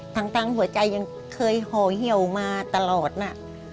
ทั้งหัวใจยังเคยห่อเหี่ยวมาตลอดน่ะ